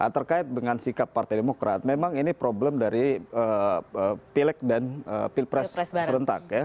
terkait dengan sikap partai demokrat memang ini problem dari pileg dan pilpres serentak ya